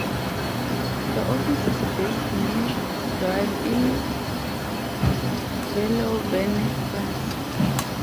The office is based near Lyon, in Villeurbanne, France.